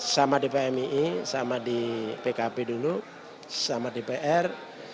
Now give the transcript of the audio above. sama di pmii sama di pkp dulu sama di pr